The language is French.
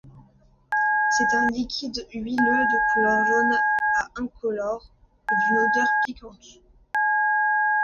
C'est un liquide huileux de couleur jaune à incolore et d'une odeur piquante.